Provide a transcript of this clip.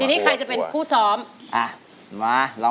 เพื่อจะไปชิงรางวัลเงินล้าน